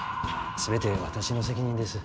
全て私の責任です。